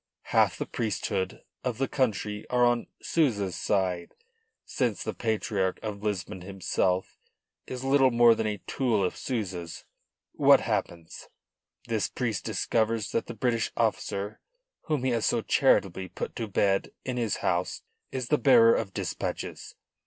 Half the priesthood of the country are on Souza's side, since the Patriarch of Lisbon himself is little more than a tool of Souza's. What happens? This priest discovers that the British officer whom he has so charitably put to bed in his house is the bearer of dispatches.